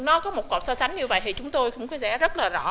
nó có một cột so sánh như vậy thì chúng tôi cũng có lẽ rất là rõ